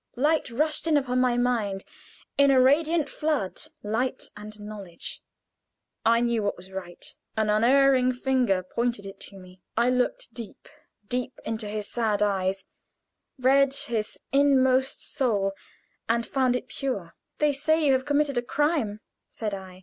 Light rushed in upon my mind in a radiant flood light and knowledge. I knew what was right; an unerring finger pointed it to me. I looked deep, deep into his sad eyes, read his innermost soul, and found it pure. "They say you have committed a crime," said I.